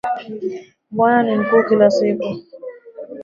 Bwana ni mkuu kila siku